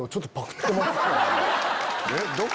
えっどこ？